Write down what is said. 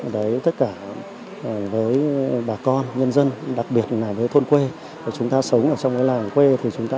với tất cả bà con nhân dân đặc biệt là với thôn quê chúng ta sống trong cái làng quê thì chúng ta